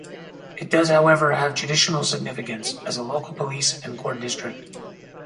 It does, however, have judicional significance, as a local police and court district.